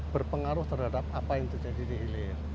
berpengaruh terhadap apa yang terjadi di hilir